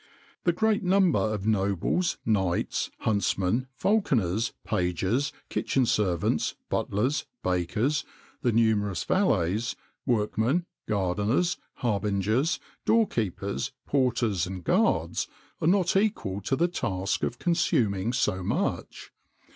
"The great number of nobles, knights, huntsmen, falconers, pages, kitchen servants, butlers, bakers, the numerous valets, workmen, gardeners, harbingers, door keepers, porters, and guards are not equal to the task of consuming so much.